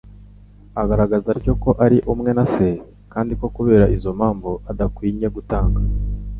Agaragaza atyo ko ari umwe na Se, kandi ko kubera izo mpamvu adakwinye gutanga